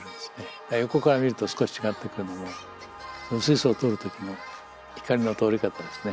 だから横から見ると少し違ってくるのも薄い層を通る時の光の通り方ですね。